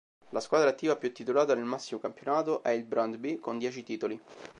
La squadra attiva più titolata del massimo campionato è il Brøndby con dieci titoli.